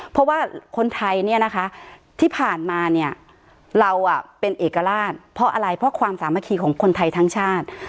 เพราะว่าคนไทยเนี่ยนะคะที่ผ่านมาเนี่ยเราเป็นเอกราชเพราะอะไรเพราะความสามัคคีของคนไทยทั้งชาติ